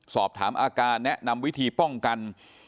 สอบถามอาการแนะนำวิธีป้องกัน